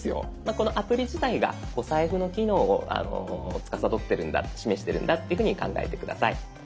このアプリ自体がお財布の機能をつかさどってるんだ示してるんだっていうふうに考えて下さい。